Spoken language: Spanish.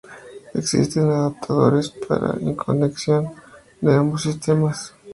Existen adaptadores para la interconexión de ambos sistemas, que suelen requerir alimentación externa.